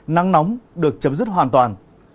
nắng nóng được chấm dứt hoàn toàn